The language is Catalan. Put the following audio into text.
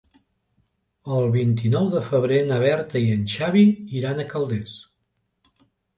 El vint-i-nou de febrer na Berta i en Xavi iran a Calders.